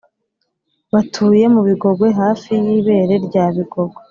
Batuye mu bigogwe hafi yibere rya bigogwe